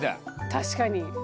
確かに。